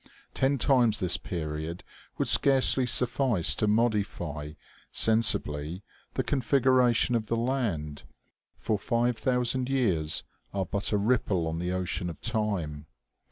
Ten times this period would scarcely suffice to modify, sensibly, the con figuration of the land, for five thousand years are but a ripple on the ocean of time.